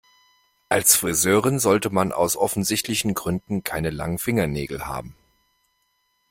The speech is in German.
Als Friseurin sollte man aus offensichtlichen Gründen keine langen Fingernägel haben.